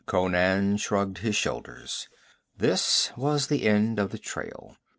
Conan shrugged his shoulders. This was the end of the trail.